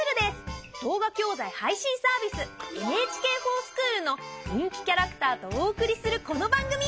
動画教材配信サービス「ＮＨＫｆｏｒＳｃｈｏｏｌ」の人気キャラクターとお送りするこの番組。